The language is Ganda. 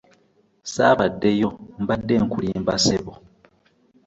Ssaabaddeyo mbadde nkulimba ssebo.